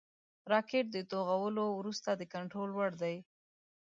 راکټ د توغولو وروسته د کنټرول وړ دی